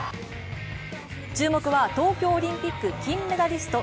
注目は東京オリンピック金メダリスト